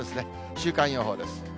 週間予報です。